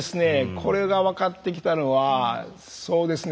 これが分かってきたのはそうですね